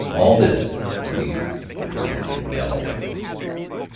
All this when he should get Jim Galloway.